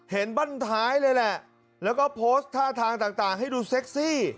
เห็นบ้านท้ายเลยแหละแล้วก็โพสต์ท่าทางต่างให้ดูเซ็กซี่